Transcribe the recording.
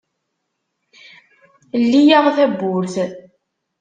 Lli-aɣ tawwurt.